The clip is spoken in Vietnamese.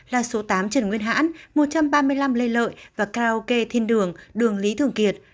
là số tám trần nguyên hãn một trăm ba mươi năm lê lợi và karaoke thiên đường đường lý thường kiệt